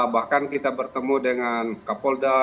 bahkan kita bertemu dengan ke polda